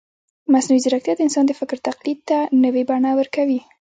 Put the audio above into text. مصنوعي ځیرکتیا د انسان د فکر تقلید ته نوې بڼه ورکوي.